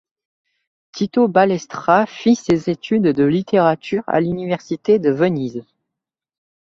Tito Balestra fit ses études de littérature à l’Université de Venise.